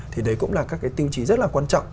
thì đấy cũng là các cái tiêu chí rất là quan trọng